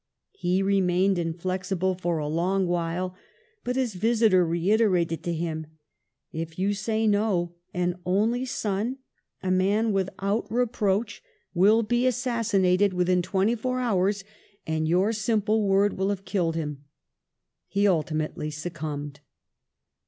He remained inflexible for a long while, but his vis itor reiterating to him, " If you say No, an only son, a man without reproach, will be assassinated within twenty four hours, and your simple word will have killed him," he ultimately succumbed.